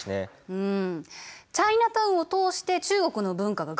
うん。